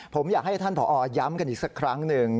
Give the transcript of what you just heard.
ผมอยากให้ท่านผอย้ำกันอีกสักครั้งหนึ่ง